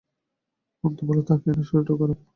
মন তো ভালো থাকেই না, শরীরটাও খারাপ।